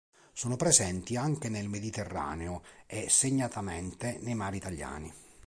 Sono presenti anche nel Mediterraneo e segnatamente nei mari italiani.